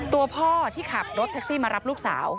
ตัวพ่อที่ขับรถแท็กซี่มารับลูกสาว